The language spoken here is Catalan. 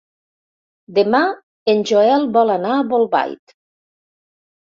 Demà en Joel vol anar a Bolbait.